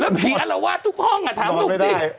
แล้วพี่อัลลวาททุกห้องอ่ะถามหนูดิ